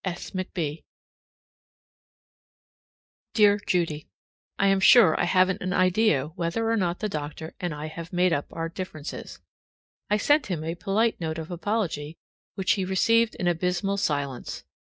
S. McB. Dear Judy: I am sure I haven't an idea whether or not the doctor and I have made up our differences. I sent him a polite note of apology, which he received in abysmal silence.